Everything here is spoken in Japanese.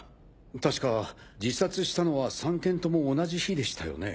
確か自殺したのは３件とも同じ日でしたよね？